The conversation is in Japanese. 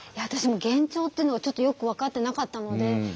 私幻聴っていうのがちょっとよく分かってなかったので。